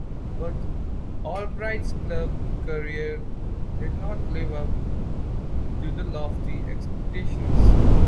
But Albright's club career did not live up to the lofty expectations.